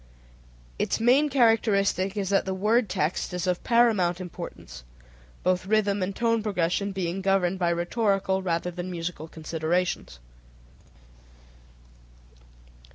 Its main characteristic is that the word text is of paramount importance, both rhythm and tone progression being governed by rhetorical rather than by musical considerations.